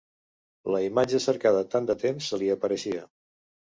La imatge cercada tant de temps se li apareixia